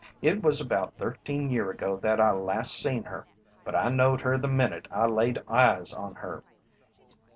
It was about thirteen year ago that I last seen her, but I knowed her the minute I laid eyes on her.